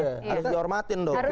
harus dihormatin dong